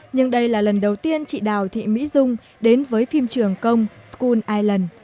nhưng đây là lần đầu tiên chị đào thị mỹ dung đến với phim trường công skull island